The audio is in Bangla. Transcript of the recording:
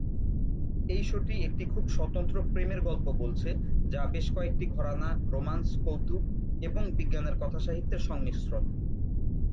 এই শোটি একটি খুব স্বতন্ত্র প্রেমের গল্প বলছে যা বেশ কয়েকটি ঘরানা, রোম্যান্স, কৌতুক এবং বিজ্ঞানের কথাসাহিত্যের সংমিশ্রণ।